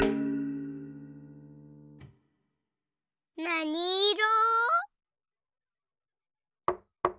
なにいろ？